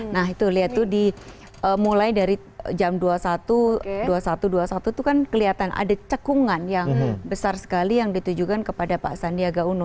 nah itu lihat tuh dimulai dari jam dua puluh satu dua puluh satu dua puluh satu itu kan kelihatan ada cekungan yang besar sekali yang ditujukan kepada pak sandiaga uno